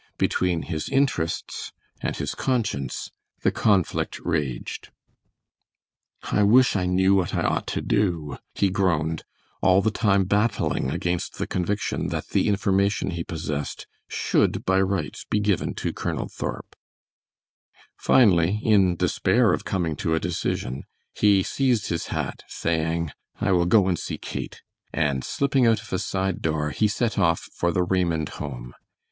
Between his interests and his conscience the conflict raged. "I wish I knew what I ought to do," he groaned, all the time battling against the conviction that the information he possessed should by rights be given to Colonel Thorp. Finally, in despair of coming to a decision, he seized his hat, saying, "I will go and see Kate," and slipping out of a side door, he set off for the Raymond home.